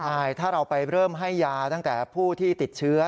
ใช่ถ้าเราไปเริ่มให้ยาตั้งแต่ผู้ที่ติดเชื้อ